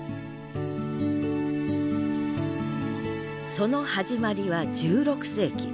その始まりは１６世紀。